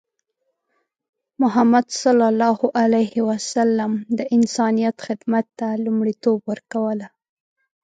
محمد صلى الله عليه وسلم د انسانیت خدمت ته لومړیتوب ورکوله.